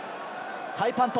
ハイパント。